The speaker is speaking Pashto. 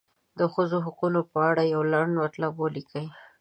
د ښځو د حقونو په اړه یو لنډ مطلب ولیکئ.